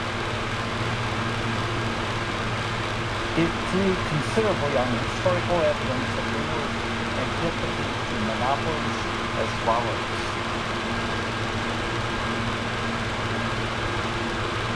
It drew considerably on historical evidence of rulers antipathy to monopolies, as follows.